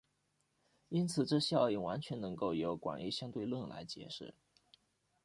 因此这效应完全能够由广义相对论来解释。